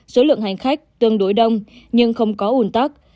số lượng hành khách tương đối đông nhưng không có ủn tắc